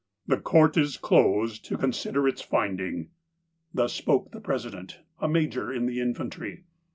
" The Court is closed to consider its find ing." Thus spoke the President, a Major in the infantry.